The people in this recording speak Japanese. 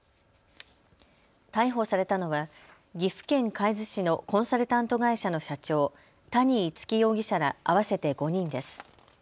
逮捕されたのは岐阜県海津市のコンサルタント会社の社長、谷逸輝容疑者ら合わせて５人です。